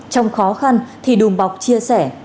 trong khó khăn thì đùm bọc chia sẻ